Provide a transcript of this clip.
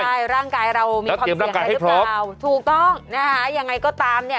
ใช่ร่างกายเรามีความเสี่ยงให้พร้อมถูกต้องนะฮะอย่างไรก็ตามเนี่ย